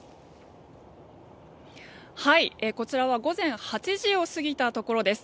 こちらは午前８時を過ぎたところです。